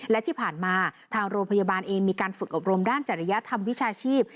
และที่ผ่านมาทางโรงพยาบาลเองมีการฝึกอบรมด้านจริยธรรมวิชาชีพ